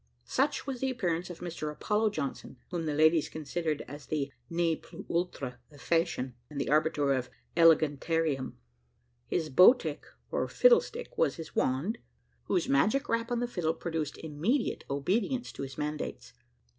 Such was the appearance of Mr Apollo Johnson, whom the ladies considered as the ne plus ultra of fashion, and the arbiter elegantiarum. His bow tick, or fiddle stick, was his wand, whose magic rap on the fiddle produced immediate obedience to his mandates.